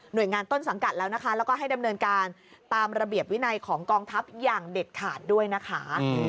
โดยงานต้นสังกัดแล้วนะคะแล้วก็ให้ดำเนินการตามระเบียบวินัยของกองทัพอย่างเด็ดขาดด้วยนะคะ